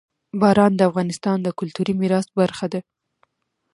باران د افغانستان د کلتوري میراث برخه ده.